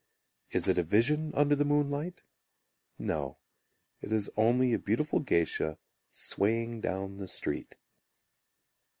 Is it a vision Under the moonlight? No, it is only A beautiful geisha swaying down the street.